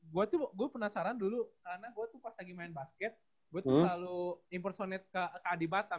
gue tuh gue penasaran dulu karena gue tuh pas lagi main basket gue tuh selalu impersonet ke kad batam